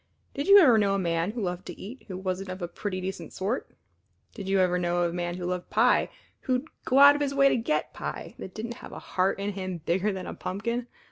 Did you ever know a man who loved to eat who wasn't of a pretty decent sort? Did you ever know of a man who loved pie who'd go out of his way to get pie that didn't have a heart in him bigger than a pumpkin?